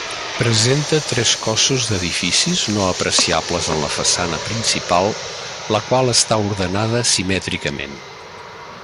Presenta tres cossos d'edificis no apreciables en la façana principal la qual està ordenada simètricament.